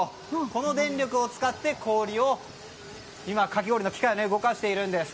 この電力を使ってかき氷の機械を動かしているんです。